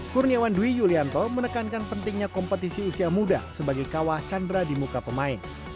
kurniawan dwi yulianto menekankan pentingnya kompetisi usia muda sebagai kawah chandra di muka pemain